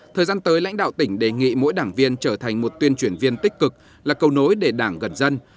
thời gian tới lãnh đạo tỉnh đề nghị mỗi đảng viên trở thành một tuyên truyền viên tích cực là cầu nối để đảng gần dân